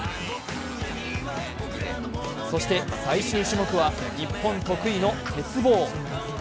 そして最終種目は日本得意の鉄棒。